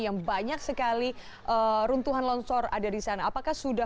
yang banyak sekali runtuhan lonsor ada di sana